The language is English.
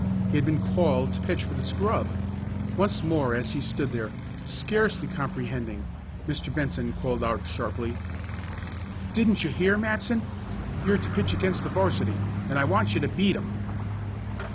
He had been called to pitch for the scrub! Once more as he stood there, scarcely comprehending, Mr. Benson called out sharply: "Didn't you hear, Matson? You're to pitch against the 'varsity, and I want you to beat 'em!"